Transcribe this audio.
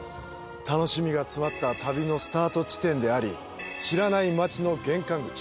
楽しみが詰まった旅のスタート地点であり知らない街の玄関口